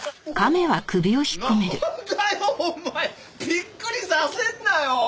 びっくりさせんなよ。